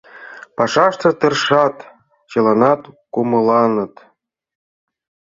Пашаште тыршат чыланат, кумылаҥын.